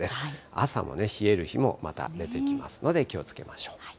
朝もね、冷える日もまた出てきますので気をつけましょう。